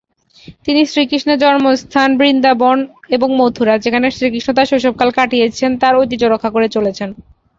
তিনি শ্রীকৃষ্ণের জন্মস্থান বৃন্দাবন এবং মথুরা, যেখানে শ্রীকৃষ্ণ তাঁর শৈশবকাল কাটিয়েছিলেন, তার ঐতিহ্য রক্ষা করে চলেছেন।